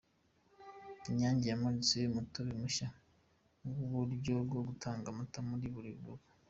Inyange yamuritse Umutobe mushya n’uburyo bwo gutanga amata muri buri rugo